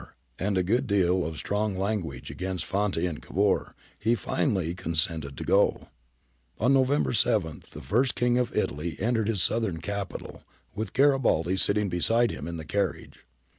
28o GARIBALDI AND THE MAKING OF ITALY demur, and a good deal of strong language against Fanti and Cavour, he finally consented to go.^ On November 7 the first King of Italy entered his southern capital, with Garibaldi sitting beside him in the carriage.